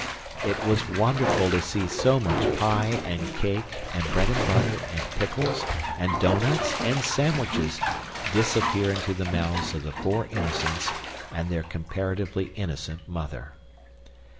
It was wonderful to see so much pie and cake and bread and butter and pickles and dough nuts and sandwiches disappear into the mouths of the four innocents and their comparatively innocent mother.